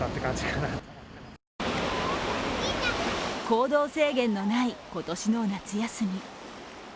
行動制限のない今年の夏休み。